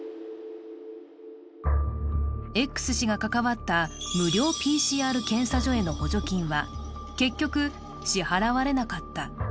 Ｘ氏が関わった無料ＰＣＲ検査所への補助金は結局支払われなかった。